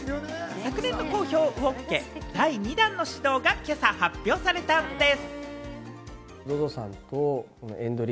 昨年の好評を受け、第２弾の始動が今朝発表されたんでぃす。